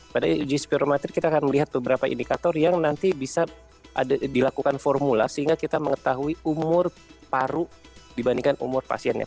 pada uji spirometrik kita akan melihat beberapa indikator yang nanti bisa dilakukan formula sehingga kita mengetahui umur paru dibandingkan umur pasiennya